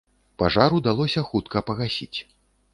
Пажар удалося хутка пагасіць.